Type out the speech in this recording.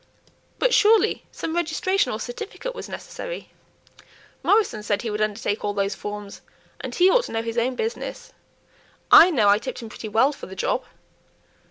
"But surely some registration or certificate was necessary?" "Morrison said he would undertake all those forms; and he ought to know his own business. I know I tipped him pretty well for the job."